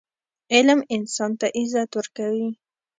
علم انسان ته عزت ورکوي.